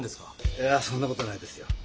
いやそんな事ないですよ。